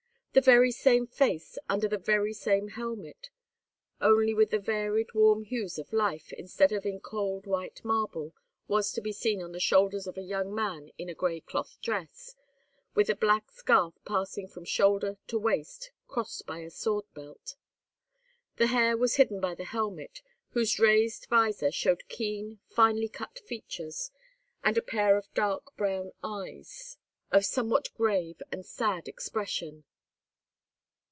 The very same face, under the very same helmet, only with the varied, warm hues of life, instead of in cold white marble, was to be seen on the shoulders of a young man in a gray cloth dress, with a black scarf passing from shoulder to waist, crossed by a sword belt. The hair was hidden by the helmet, whose raised visor showed keen, finely cut features, and a pair of dark brown eyes, of somewhat grave and sad expression.